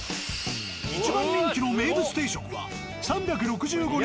一番人気の名物定食は３６５日